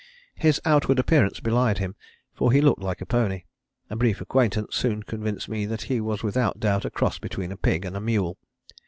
His outward appearance belied him, for he looked like a pony. A brief acquaintance soon convinced me that he was without doubt a cross between a pig and a mule.